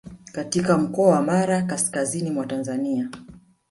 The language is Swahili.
katika mkoa wa Mara kaskazini mwa Tanzania